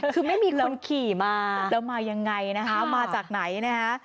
คือไม่มีคนขี่มาแล้วมายังไงนะคะมาจากไหนนะคะ